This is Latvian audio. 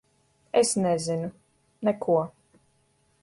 Es nezinu. Neko.